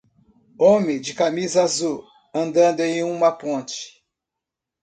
Homem de camisa azul, andando em uma ponte.